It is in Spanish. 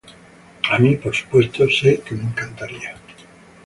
A mi, por supuesto se que me encantaría.